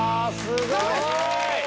すごい！